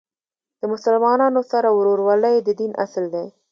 د مسلمانانو سره ورورولۍ د دین اصل دی.